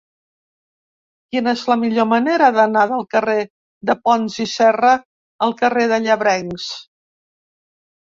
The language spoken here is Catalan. Quina és la millor manera d'anar del carrer de Pons i Serra al carrer dels Llebrencs?